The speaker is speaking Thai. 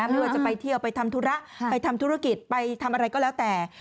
ไม่ว่าจะไปเที่ยวไปทำธุระไปทำธุรกิจไปทำอะไรก็แล้วแต่